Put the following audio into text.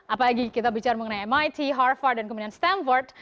apalagi kita bicara mengenai mit harvard dan kemudian stanford